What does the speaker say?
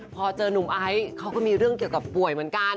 พอเจอนุ่มไอซ์เขาก็มีเรื่องเกี่ยวกับป่วยเหมือนกัน